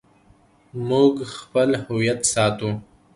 موږ خپل هویت ساتو